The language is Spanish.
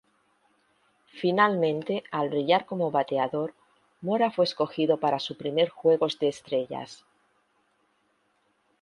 Finalmente al brillar como bateador, Mora fue escogido para su primer Juegos de Estrellas.